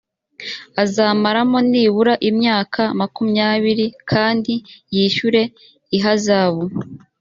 azamaramo nibura imyaka makumyabiri kandi yishyure ihazabu